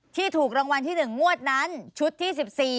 ถูกรางวัลที่๑งวดนั้นชุดที่๑๔